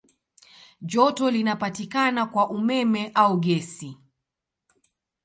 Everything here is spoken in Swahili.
Joto linapatikana kwa umeme au gesi.